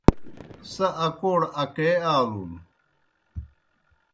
سہ اکوڑ اکے آلُن۔